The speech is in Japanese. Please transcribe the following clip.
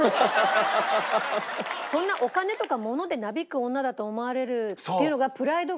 そんなお金とか物でなびく女だと思われるっていうのがそうだ。